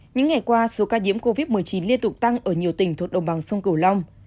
những ngày qua số ca nhiễm covid một mươi chín liên tục tăng ở nhiều tỉnh thuộc đồng bằng sông cửu long